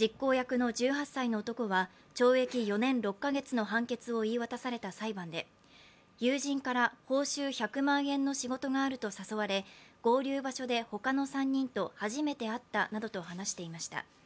実行役の１８歳の男は懲役４年６か月の判決を言い渡された裁判で友人から報酬１００万円の仕事があると誘われ合流場所で他の３人と初めて会ったなどと話していました。